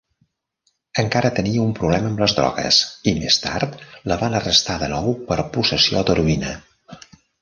Encara tenia un problema amb les drogues, i més tard la van arrestar de nou per possessió d'heroïna.